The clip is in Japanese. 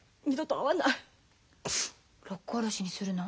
六甲おろしにするの？